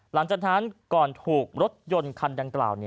หลังจากนั้นก่อนถูกรถยนต์คันดังกล่าว